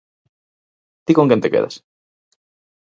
Ti con quen te quedas?